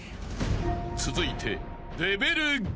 ［続いて］